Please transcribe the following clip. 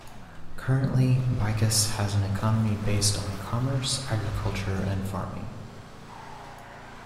Currently, Bicas has an economy based on commerce, agriculture and farming.